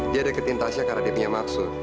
dia deketin tasya karena dia punya maksud